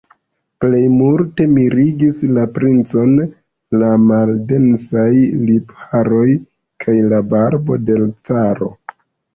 Plej multe mirigis la princon la maldensaj lipharoj kaj la barbo de l' caro.